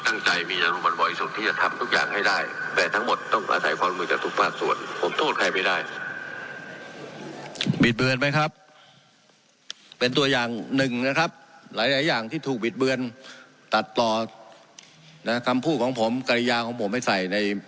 แต่ผมมีความตั้งใจมีชาติบัตรบ่อยสุดที่จะทำทุกอย่างให้ได้